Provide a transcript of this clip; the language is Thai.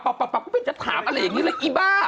เพิ่งจะถามอะไรอย่างนี้เลยอีบ้า